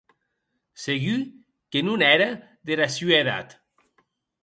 Segur que non ère dera sua edat!